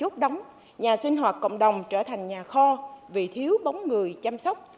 trong năm hai nghìn một mươi tám nhà sinh hoạt cộng đồng trở thành nhà kho vì thiếu bóng người chăm sóc